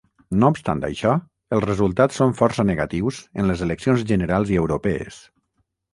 No obstant això, els resultats són força negatius en les eleccions generals i europees.